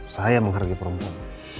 saya menghargai perempuan